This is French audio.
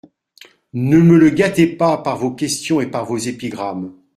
Ne me le gâtez pas par vos questions et par vos épigrammes.